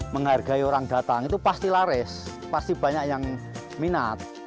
menghargai orang datang itu pasti laris pasti banyak yang minat